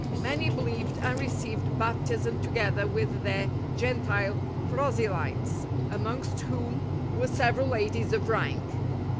Many believed and received Baptism together with their Gentile proselytes, amongst whom were several ladies of rank.